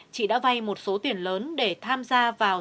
chị đã vay một số tiền lớn để tham gia vào